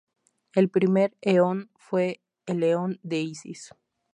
El primer eón fue el Eón de Isis.